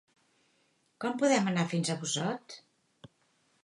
Com podem anar fins a Busot?